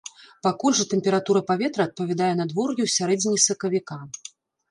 Пакуль жа тэмпература паветра адпавядае надвор'ю ў сярэдзіне сакавіка.